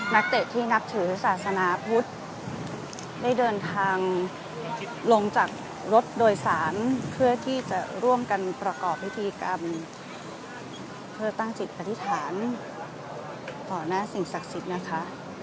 นักเตะที่นับถือศาสนาพุทธได้เดินทางลงจากรถโดยสารเพื่อที่จะร่วมกันประกอบพิธีกรรมเพื่อตั้งจิตอธิษฐานต่อหน้าสิ่งศักดิ์สิทธิ์นะคะ